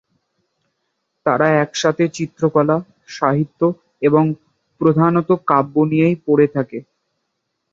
তারা একসাথে চিত্রকলা, সাহিত্য এবং প্রধানত কাব্য নিয়েই পড়ে থাকে।